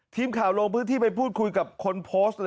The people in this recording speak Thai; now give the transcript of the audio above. ทีมข่าวลงพื้นที่ไปพูดคุยกับคนโพสต์